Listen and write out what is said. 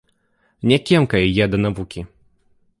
Не кемкая я да навукі.